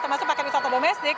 termasuk paket wisata domestik